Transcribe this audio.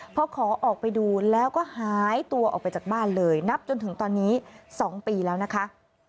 พอขอออกไปดูแล้วก็หายตัวออกไปจากบ้านเลยนับจนถึงตอนนี้๒ปีแล้วนะคะ